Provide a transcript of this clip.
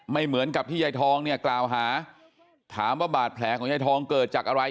เหมือนกับที่ยายทองเนี่ยกล่าวหาถามว่าบาดแผลของยายทองเกิดจากอะไร